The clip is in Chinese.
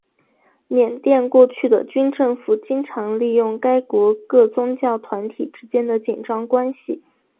缅甸过去的军政府经常利用该国各宗教团体之间的紧张关系。